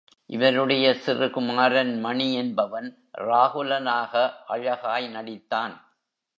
இவருடைய சிறு குமாரன் மணி என்பவன் ராகுலனாக அழகாய் நடித்தான்.